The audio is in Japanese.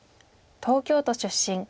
東京都出身。